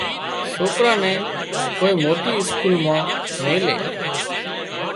سوڪرا نين ڪوئي موٽي اسڪول مان ميلي